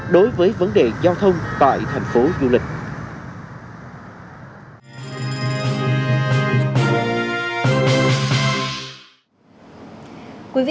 đối với vấn đề giao thông tại thành phố du lịch